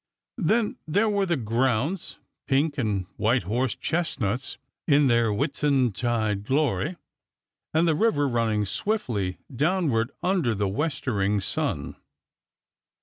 Then there were the grounds, pink and white horse chestnuts in their Whitsuntide glory, and the river running swiftly downward under the westering sun.